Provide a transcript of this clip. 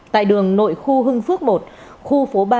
tại đường nội khu hưng phước một khu phố ba